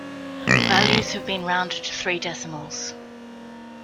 Values have been rounded to three decimals.